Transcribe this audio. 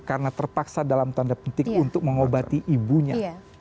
karena terpaksa dalam tanda penting untuk mengobati ibunya